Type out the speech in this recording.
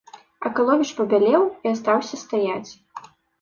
Акаловіч пабялеў і астаўся стаяць.